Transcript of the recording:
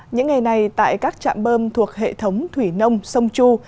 những ngày này tại các trạm bơm thuộc hệ thống thủy nông sông chu